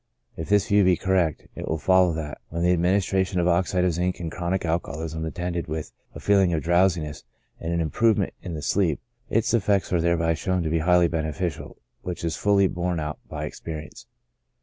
If this view be correct, it will follow that, when the administra tion of oxide of zinc in chronic alcoholism is attended with a feeling of drowsiness and an improvement in the sleep, its effects are thereby shown to be highly beneficial, which is fully I borne out by experience.